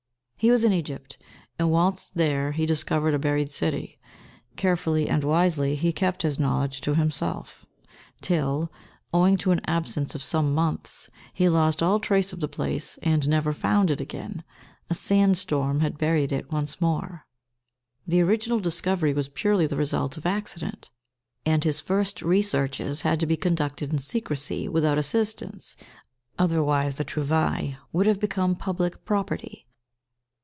He was in Egypt, and whilst there he discovered a buried city. Carefully and wisely he kept his knowledge to himself, till, owing to an absence of some months, he lost all trace of the place, and never found it again. A sand storm had buried it once more. The original discovery was purely the result of accident, and his first researches had to be conducted in secrecy, without assistance, otherwise the trouvaille would have become public property.